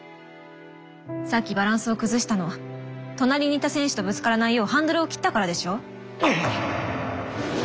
さっきバランスを崩したの隣にいた選手とぶつからないようハンドルを切ったからでしょ？